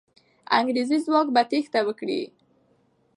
انګریزي ځواک به تېښته وکړي.